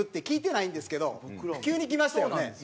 聞いてないんですけど急に来ましたよね？